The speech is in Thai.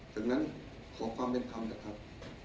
จากนั้นขอความเป็นธรรมนะครับ